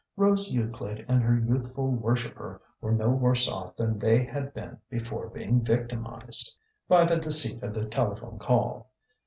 Rose Euclid and her youthful worshipper were no worse off than they had been before being victimised by the deceit of the telephone call.